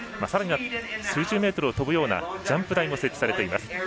さらに数十メートルをとぶようなジャンプ台も設置されています。